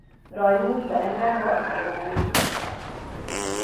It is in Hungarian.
Rajmund Berengár barcelonai gróf lett.